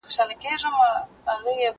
زه به سبا چپنه پاک کړم!!